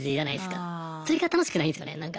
それが楽しくないんですよねなんか。